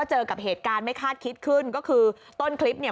เจอกับเหตุการณ์ไม่คาดคิดขึ้นก็คือต้นคลิปเนี่ย